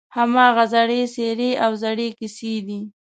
هماغه زړې څېرې او زړې کیسې دي.